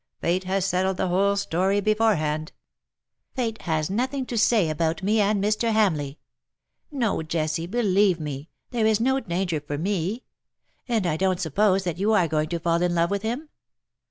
Fate has settled the whole story beforehand." ^^ Fate has had nothing to say about me and Mr. Hamleigh. No, Jessie, believe me, there is no danger for me — and I don^t suppose that you are going to fall in love with him